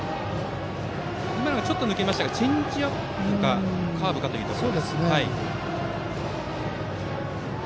今の、ちょっと抜けましたがチェンジアップかカーブかというところ。